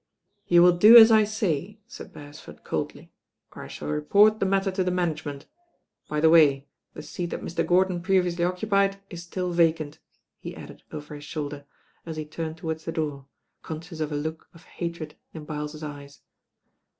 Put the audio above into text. ^^ "You will do as I say," said Beresford coldly, or I shall report the matter to the management. By the way, the seat that Mr. Gordon previously occupied is stiU vacant," he added over his shoulder as he turned towards the door, conscious of a look of hatred in Byles's eyes.